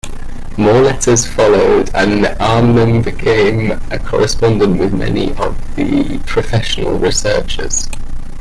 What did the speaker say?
More letters followed, and Ammann became a correspondent with many of the professional researchers.